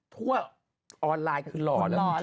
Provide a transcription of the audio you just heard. ออนไลน์คือหล่อแล้ว